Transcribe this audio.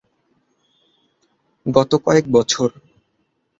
গত কয়েক বছর।